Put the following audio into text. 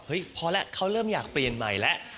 พอแล้วเขาเริ่มอยากเปลี่ยนใหม่แล้ว